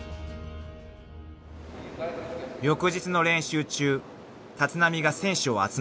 ［翌日の練習中立浪が選手を集めた］